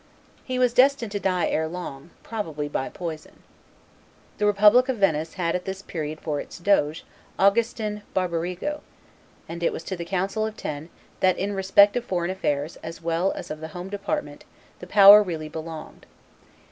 He was destined to die ere long, probably by poison. The republic of Venice had at this period for its doge Augustin Barbarigo; and it was to the council of Ten that in respect of foreign affairs as well as of the home department the power really belonged.